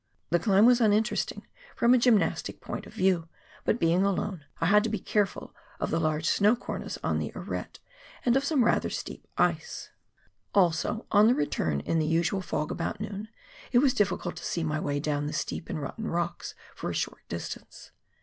The climb was iminteresting from a gymnastic point of view, but, being alone, I had to be careful of the large snow cornice on the arete, and of some rather steep ice ; also on the return in 212 PIONEER WORK IN THE ALPS OF NEW ZEALAND. the usual fog about noon, it was difficult to see my way down the steep and rotten rocks for a short distance.